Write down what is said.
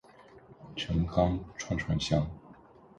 陈钢串串香